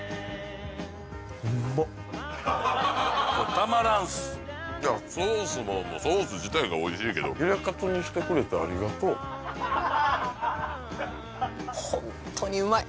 たまらんすいやソースもソース自体がおいしいけどヒレかつにしてくれてありがとうホントにうまい！